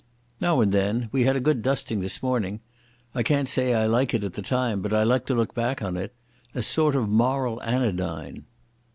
"Now and then. We had a good dusting this morning. I can't say I liked it at the time, but I like to look back on it. A sort of moral anodyne."